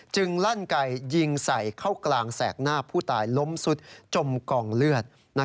ลั่นไก่ยิงใส่เข้ากลางแสกหน้าผู้ตายล้มสุดจมกองเลือด